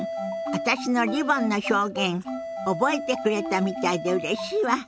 私のリボンの表現覚えてくれたみたいでうれしいわ。